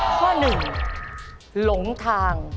ข้อ๑หลงทาง